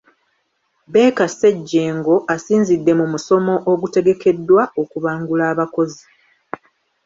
Baker Ssejjengo asinzidde mu musomo ogutegekeddwa okubangula abakozi.